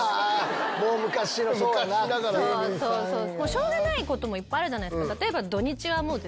しょうがないこともいっぱいあるじゃないですか。